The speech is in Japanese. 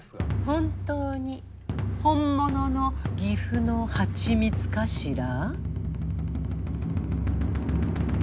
本当に本物の岐阜の蜂蜜かしら？